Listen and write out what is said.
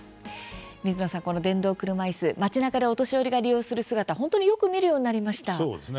水野さん、この電動車いす町なかでお年寄りが利用する姿よく見かけるようになりましたね。